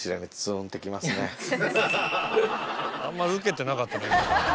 あんまウケてなかったな今の。